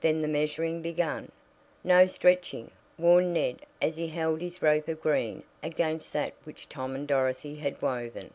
Then the measuring began. "No stretching!" warned Ned as he held his rope of green against that which Tom and Dorothy had woven.